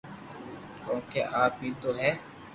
ڪونڪھ آپ ھي تو ھي